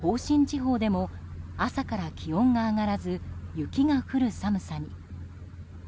今日は関東北部や甲信地方でも朝から気温が上がらず雪が降る寒さに。